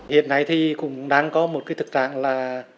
hiện nay thì cũng đang có một cái thực trạng là